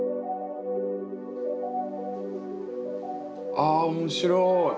あ面白い。